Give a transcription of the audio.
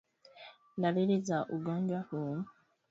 Dalili za ugonjwa huu